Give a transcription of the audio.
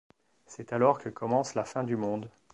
C'est alors que commence la fin du monde.